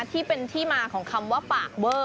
ที่เป็นที่มาของคำว่าปากเบอร์